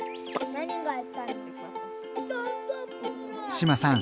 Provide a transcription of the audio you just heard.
志麻さん